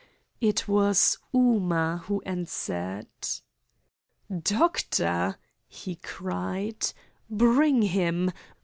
It was Ooma who answered. "Doctor!" he cried. "Bring him!